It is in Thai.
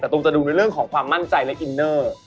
ตูมจะดูในเรื่องของความมั่นใจและอินเนอร์